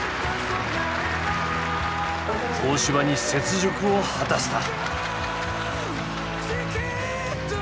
東芝に雪辱を果たした。